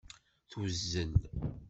Tuzzel.